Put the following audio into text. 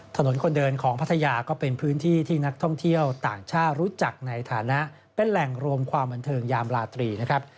ถนนคนเดินของพัทยาก็เป็นพื้นที่ที่นักท่องเที่ยวต่างชาติรู้จักในฐานะเป็นแหล่งรวมความบันเทิงยามลาตรีนะครับ